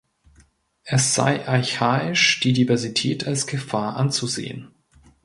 Es sei archaisch die Diversität als Gefahr anzusehen.